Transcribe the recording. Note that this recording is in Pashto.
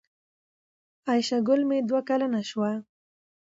عایشه ګل مې دوه کلنه شو